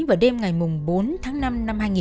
vào đêm ngày bốn tháng năm năm hai nghìn hai mươi